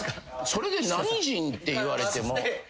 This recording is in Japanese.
それで何人って言われても分かんない。